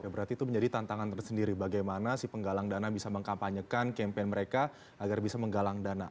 berarti itu menjadi tantangan tersendiri bagaimana si penggalang dana bisa mengkampanyekan campaign mereka agar bisa menggalang dana